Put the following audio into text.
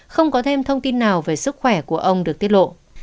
không có thêm thông tin nào về sức khỏe của ông được điều chỉnh